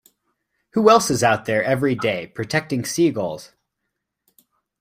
Who else is out there every day, protecting seagulls?